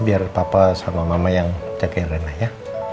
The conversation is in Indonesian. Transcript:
biar papa sama mama yang jagain renah ya